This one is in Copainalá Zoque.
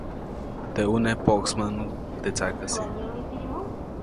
Teʼ ʼuneʼ poʼksmäʼnu teʼ tsaʼkäsi.